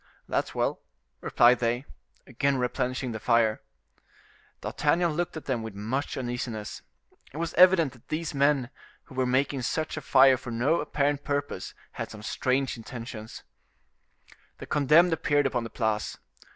"That's well," replied they, again replenishing the fire. D'Artagnan looked at them with much uneasiness; it was evident that these men who were making such a fire for no apparent purpose had some strange intentions. The condemned appeared upon the Place.